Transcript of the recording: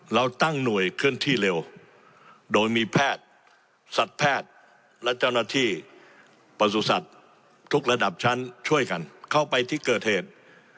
เราตั้งหน่วยเคลื่อนที่เร็วโดยมีแพทย์สัตว์แพทย์และเจ้าหน้าที่ประสุทธิ์สัตว์ทุกระดับชั้นช่วยกันเข้าไปที่เกิดเหตุ